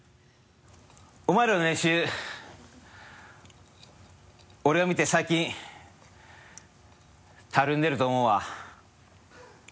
「お前らの練習俺が見て最近たるんでると思うわ」